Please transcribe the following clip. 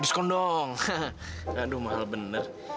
diskon dong aduh mahal benar